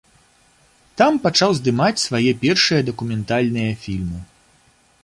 Там пачаў здымаць свае першыя дакументальныя фільмы.